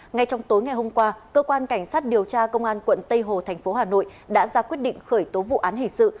ngay trong tối ngày hôm qua cơ quan cảnh sát điều tra công an quận tây hồ thành phố hà nội đã ra quyết định khởi tố vụ án hình sự